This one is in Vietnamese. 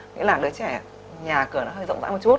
nghĩa là đứa trẻ nhà cửa nó hơi rộng rãi một chút